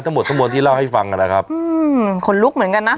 ทั้งหมดทั้งหมดที่เล่าให้ฟังนะครับอืมคนลุกเหมือนกันนะ